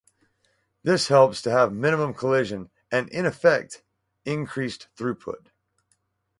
This helps to have minimum collision and in effect, increased throughput.